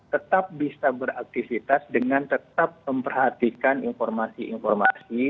tetap bisa beraktivitas dengan tetap memperhatikan informasi informasi